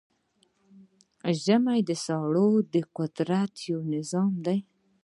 د ژمی ساړه د قدرت یو نظام دی.